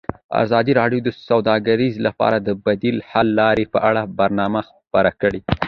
ازادي راډیو د سوداګري لپاره د بدیل حل لارې په اړه برنامه خپاره کړې.